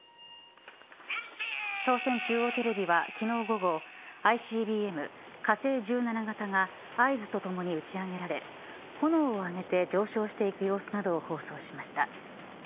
朝鮮中央テレビは昨日、午後ＩＣＢＭ、火星１７型が合図と共に打ち上げられ炎を上げて上昇していく様子などを放送しました。